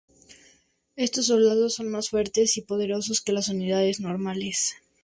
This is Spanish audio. Estos soldados son más fuertes y poderosos que las unidades normales.